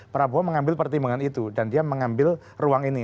prabowo mengambil pertimbangan itu dan dia mengambil ruang ini